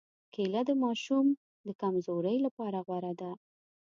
کېله د ماشو د کمزورۍ لپاره غوره ده.